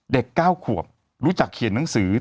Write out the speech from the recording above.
๙ขวบรู้จักเขียนหนังสือ